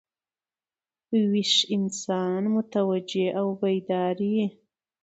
ویښ انسان متوجه او بیداره يي.